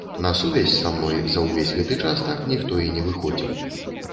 На сувязь са мной за ўвесь гэты час так ніхто і не выходзіў.